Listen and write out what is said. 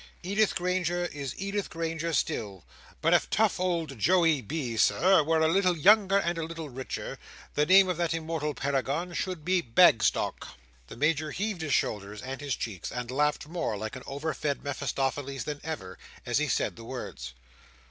Edith Granger is Edith Granger still; but if tough old Joey B., Sir, were a little younger and a little richer, the name of that immortal paragon should be Bagstock." The Major heaved his shoulders, and his cheeks, and laughed more like an over fed Mephistopheles than ever, as he said the words.